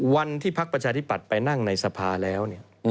วันที่พักประชาธิปัตย์ไปนั่งในสภาแล้ว